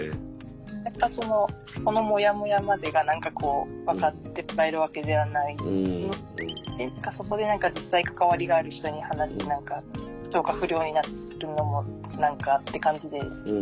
やっぱそのこのもやもやまでが何かこうわかってもらえるわけではないのでそこで何か実際関わりがある人に話して何か消化不良になるのも何かって感じで。